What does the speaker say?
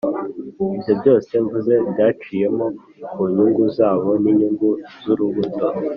ibyo byose mvuze byaciye mo ku nyungu zabo n'inyungu z'urubuto,